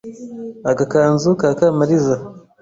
Agakanzu ka Kamariza